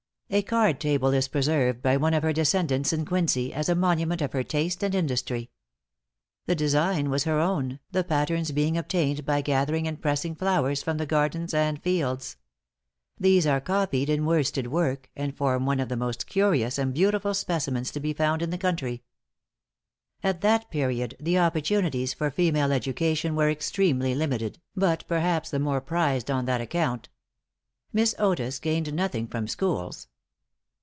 A card table is preserved by one of her descendants in Quincy, as a monument of her taste and industry. The design was her own, the patterns being obtained by gathering and pressing flowers from the gardens and fields. These are copied in worsted work, and form one of the most curious and beautiful specimens to be found in the country. * This date, with that of her death, is taken from the entries in the family Bible at Plymouth. At that period, the opportunities for female education were extremely limited, but perhaps the more prized on that account. Miss Otis gained nothing from schools.